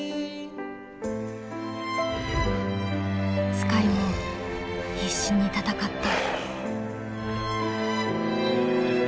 スカイも必死に戦った。